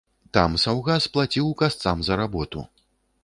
Там саўгас плаціў касцам за работу.